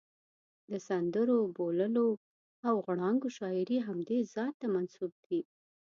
د سندرو، بوللو او غړانګو شاعري همدې ذات ته منسوب دي.